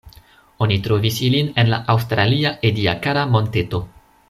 Oni trovis ilin en la aŭstralia Ediacara-monteto.